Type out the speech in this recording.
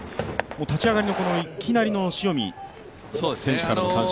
立ち上がりのいきなりの塩見選手からの三振。